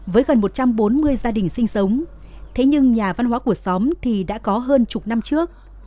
với gần một trăm bốn mươi gia đình sinh sống thế nhưng nhà văn hóa của xóm thì đã có hơn chục năm trước